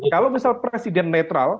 kalau misalnya presiden netral